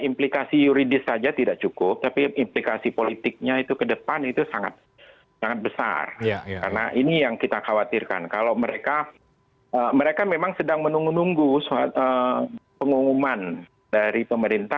mereka memang sedang menunggu pernyataan perang